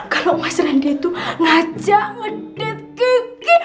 kalau mas randy itu ngajak ngedate kiki